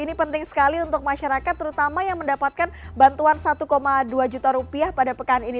ini penting sekali untuk masyarakat terutama yang mendapatkan bantuan satu dua juta rupiah pada pekan ini